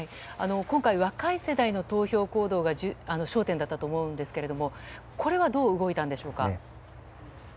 今回、若い世代の投票行動が焦点だったと思うんですがこれはどう動いたんでしょうか。